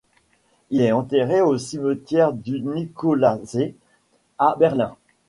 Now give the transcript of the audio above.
Il est enterré au cimetière du Nikolassee à Berlin.